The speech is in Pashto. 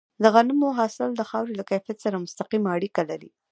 د غنمو حاصل د خاورې له کیفیت سره مستقیمه اړیکه لري.